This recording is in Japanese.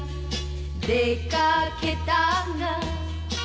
「出掛けたが」